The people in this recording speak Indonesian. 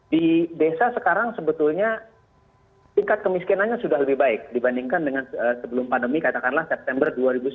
di desa sekarang sebetulnya tingkat kemiskinannya sudah lebih baik dibandingkan dengan sebelum pandemi katakanlah september dua ribu sembilan belas